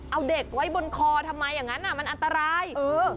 เอาเด็กไว้บนคอทำไมอย่างนั้นอ่ะมันอันตรายเออ